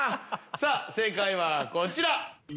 さぁ正解はこちら。